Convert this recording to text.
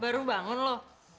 baru bangun lo